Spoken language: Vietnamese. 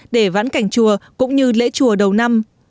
để vãn cảnh chùa cũng như lễ chùa đầu năm